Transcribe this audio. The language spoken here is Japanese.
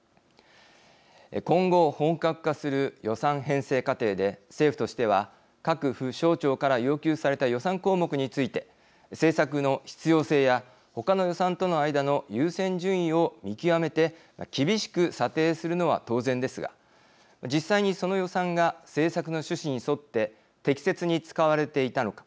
今後、本格化する予算編成過程で政府としては各府省庁から要求された予算項目について政策の必要性や他の予算との間の優先順位を見極めて厳しく査定するのは当然ですが実際に、その予算が政策の趣旨に沿って適切に使われていたのか